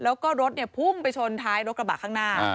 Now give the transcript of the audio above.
แล้วก็รถพุ่งไปชนท้ายรถกระบะข้างหน้า